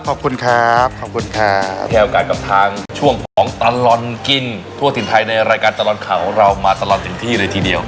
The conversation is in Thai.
ขอบคุณครับขอบคุณครับให้โอกาสกับทางช่วงของตลอดกินทั่วถิ่นไทยในรายการตลอดข่าวของเรามาตลอดถึงที่เลยทีเดียว